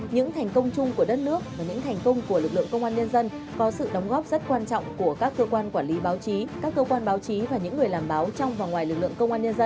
những thành công chung của đất nước và những thành công của lực lượng công an nhân dân có sự đóng góp rất quan trọng của các cơ quan quản lý báo chí các cơ quan báo chí và những người đồng chí